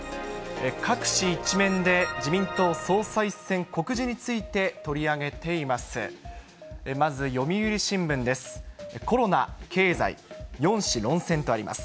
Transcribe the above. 各紙一面で、自民党総裁選告示について取り上げています。